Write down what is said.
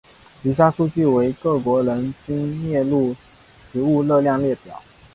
以下数据为各国人均摄入食物热量列表。